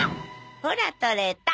ほら取れた。